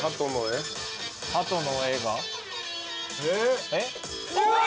ハトの絵が？うわ！